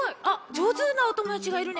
じょうずなおともだちがいるね。